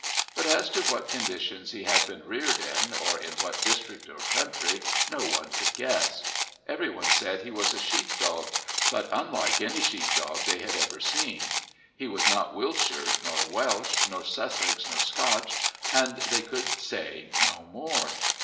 But as to what conditions he had been reared in or in what district or country no one could guess. Every one said that he was a sheep dog, but unlike any sheep dog they had ever seen; he was not Wiltshire, nor Welsh, nor Sussex, nor Scotch, and they could say no more.